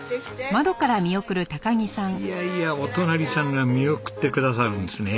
いやいやお隣さんが見送ってくださるんですね。